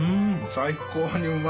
最高にうまい！